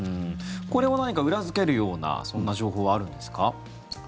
これは何か裏付けるようなそんな情報はあるんですか？